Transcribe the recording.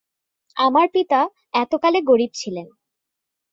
আমার পিতা এতকালে গরিব ছিলেন।